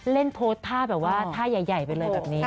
เล่นโพสต์ท่าแบบว่าท่าใหญ่ไปเลยแบบนี้